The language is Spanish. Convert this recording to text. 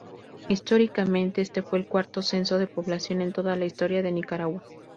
Históricamente, este fue el cuarto censo de población en toda la Historia de Nicaragua.